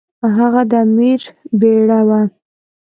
هغه د امیر بیړه وه.